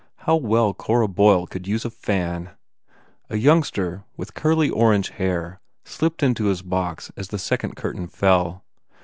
How well Cora Boyle could use a fan! A youngster with curly orange hair slipped into 1 his box as the second curtain fell.